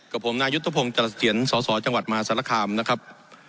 กับผมนายุทธพงศ์จรัสเถียรสอสอจังหวัดมหาศาลคามนะครับ